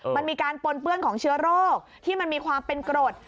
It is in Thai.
มันมีการปนเปื้อนของเชื้อโรคที่มันมีความเป็นกรด